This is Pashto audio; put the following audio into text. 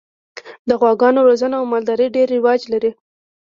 د غواګانو روزنه او مالداري ډېر رواج لري.